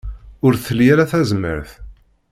Ur tli ara tazmert.